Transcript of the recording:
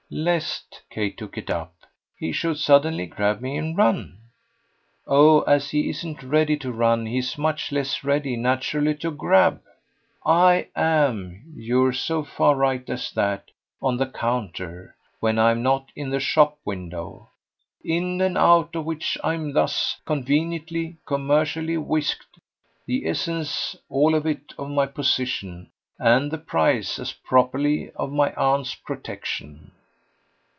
"Lest" Kate took it up "he should suddenly grab me and run? Oh as he isn't ready to run he's much less ready, naturally, to grab. I AM you're so far right as that on the counter, when I'm not in the shop window; in and out of which I'm thus conveniently, commercially whisked: the essence, all of it, of my position, and the price, as properly, of my aunt's protection."